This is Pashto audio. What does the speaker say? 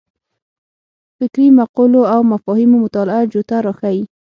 فکري مقولو او مفاهیمو مطالعه جوته راښيي.